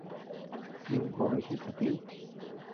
Numjobe jita tï.